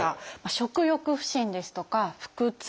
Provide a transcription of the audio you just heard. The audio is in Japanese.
食欲不振ですとか腹痛。